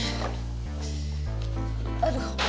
si gori mau kemana